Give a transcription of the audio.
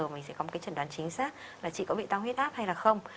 mình sẽ có một cái trần đoán chính xác là chị có bị tăng huyết áp hay là không